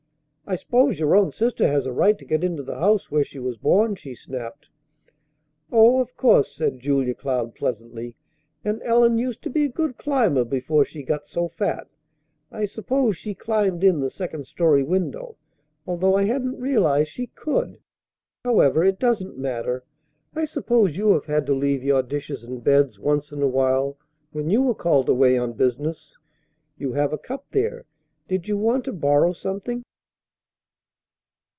"I s'pose your own sister has a right to get into the house where she was born," she snapped. "Oh, of course," said Julia Cloud pleasantly. "And Ellen used to be a good climber before she got so fat. I suppose she climbed in the second story window, although I hadn't realized she could. However, it doesn't matter. I suppose you have had to leave your dishes and beds once in a while when you were called away on business. You have a cup there; did you want to borrow something?"